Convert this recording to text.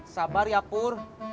sabar ya pur